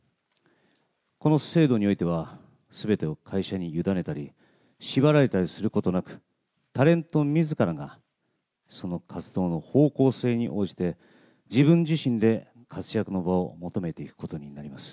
この制度においては、すべてを会社に委ねたり、縛られたりすることなく、タレントみずからが、その活動の方向性に応じて、自分自身で活躍の場を求めていくことになります。